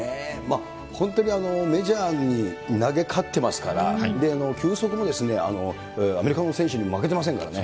本当にメジャーに投げ勝ってますから、球速もアメリカの選手にも負けてませんからね。